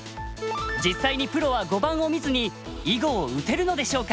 実際にプロは碁盤を見ずに囲碁を打てるのでしょうか。